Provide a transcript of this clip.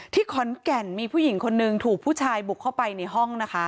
ขอนแก่นมีผู้หญิงคนนึงถูกผู้ชายบุกเข้าไปในห้องนะคะ